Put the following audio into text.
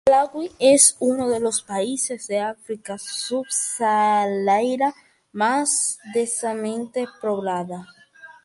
Malawi es uno de los países del África subsahariana más densamente poblado.